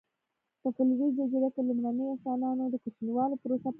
په فلورس جزیره کې لومړنیو انسانانو د کوچنیوالي پروسه پیل کړه.